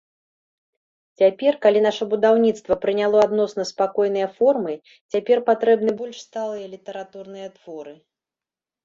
Цяпер, калі наша будаўніцтва прыняло адносна спакойныя формы, цяпер патрэбны больш сталыя літаратурныя творы.